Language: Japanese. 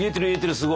すごい。